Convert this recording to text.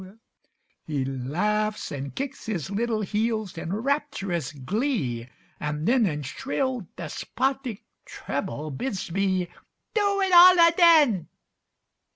He laughs and kicks his little heels in rapturous glee, and then In shrill, despotic treble bids me "do it all aden!"